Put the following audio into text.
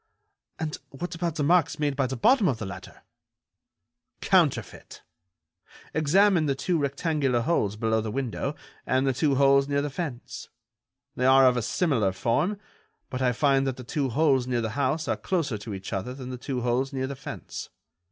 "And what about the marks made by the bottom of the ladder?" "Counterfeit! Examine the two rectangular holes below the window, and the two holes near the fence. They are of a similar form, but I find that the two holes near the house are closer to each other than the two holes near the fence.